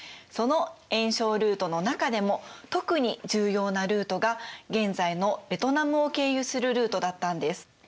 その援ルートの中でも特に重要なルートが現在のベトナムを経由するルートだったんです。